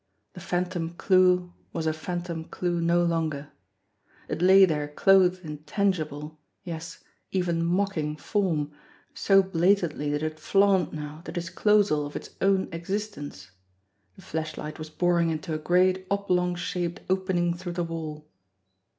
The phantom clue was a phantom clue no longer. It lay there clothed in tangible, yes, even mocking, form, so bla tantly did it flaunt now the disclosal of its own existence! The flashlight was boring into a great oblong shaped opening through the wall.